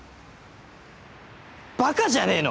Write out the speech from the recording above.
ばかじゃねえの！